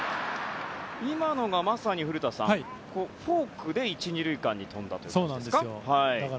今のがまさに古田さんフォークで１、２塁間に飛んだということですか。